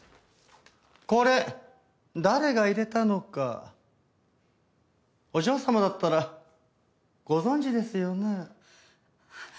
これ誰が入れたのかお嬢様だったらご存じですよね？